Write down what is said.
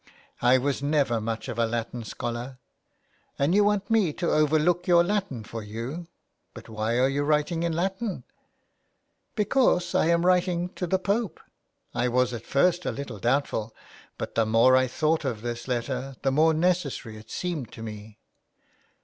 '' I was never much of a Latin scholar." " And you want me to overlook your Latin for you. But why are you writing Latin ?"'' Because I am writing to the Pope. I was at first a little doubtful, but the more I thought of this letter the more necessary it seemed to me."